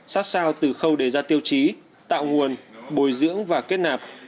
sát sao từ khâu đề ra tiêu chí tạo nguồn bồi dưỡng và kết nạp